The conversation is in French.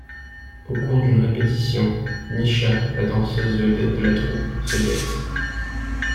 Au cours d'une répétition, Nisha, la danseuse vedette de la troupe, se blesse.